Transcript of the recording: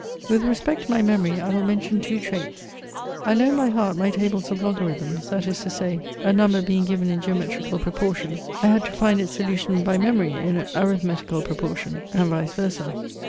With respect to my memory, I will mention two traits. I learned by heart my tables of logarithms, that is to say, a number being given in geometrical proportion, I had to find its solution by memory in arithmetical proportion, and vice versd.